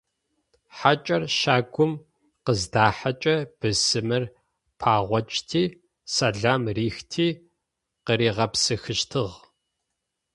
Хьакӏэр щагум къыздахьэкӏэ бысымыр пэгъокӏти, сэлам рихти къыригъэпсыхыщтыгъ.